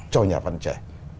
cho nhà văn trẻ